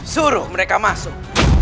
suruh mereka masuk